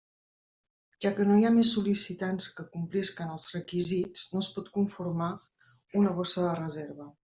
Ja que no hi ha més sol·licitants que complisquen els requisits no es pot conformar una borsa de reserva.